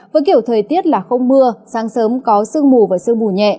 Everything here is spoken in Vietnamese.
với kiểu thời tiết là không mưa sáng sớm có sương mù và sương mù nhẹ